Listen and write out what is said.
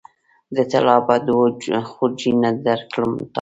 د طلا به دوه خورجینه درکړم تاته